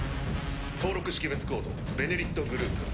登録識別コード「ベネリット」グループ。